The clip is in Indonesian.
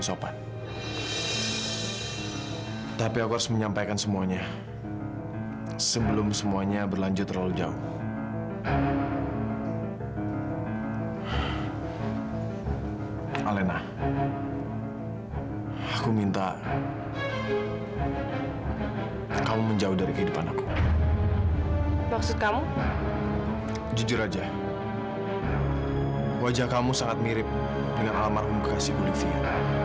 sampai jumpa di video selanjutnya